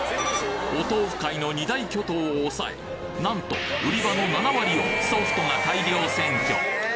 お豆腐界の二大巨頭を抑えなんと売り場の７割を「ソフト」が大量占拠！